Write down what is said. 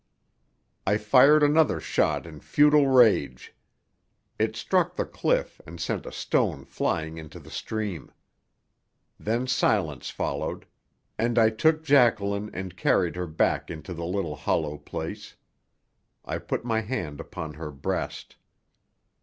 I fired another shot in futile rage. It struck the cliff and sent a stone flying into the stream. Then silence followed. And I took Jacqueline and carried her back into the little hollow place. I put my hand upon her breast.